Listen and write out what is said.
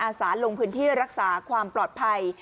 สารลงพื้นที่รักษาความปลอดภัย